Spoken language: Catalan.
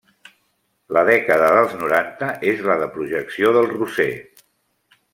La dècada dels noranta és la de projecció del Roser.